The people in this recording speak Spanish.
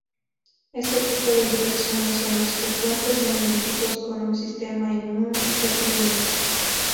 Este tipo de infecciones son más frecuentes en individuos con un sistema inmune deprimido.